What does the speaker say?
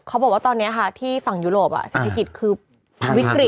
เขาบอกว่าตอนนี้ค่ะที่ฝั่งยุโรปเศรษฐกิจคือวิกฤต